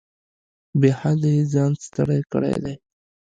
بې حده یې ځان ستړی کړی دی.